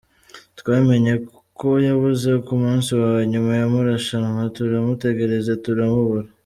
Twamenye ko yabuze ku munsi wa nyuma w’amarushanwa, turamutegereza turamubura.